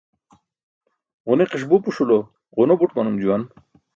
Ġuniki̇ṣ bupuṣulo ġuno buṭ manum juwan.